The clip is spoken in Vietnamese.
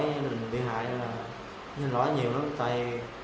mình bị hại nên là xin lỗi nhiều lắm